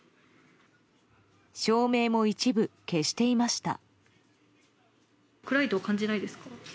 照明も一部消していました。